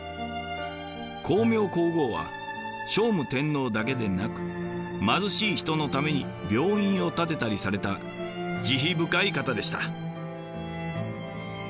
光明皇后は聖武天皇だけでなく貧しい人のために病院を建てたりされた慈悲深い方でした。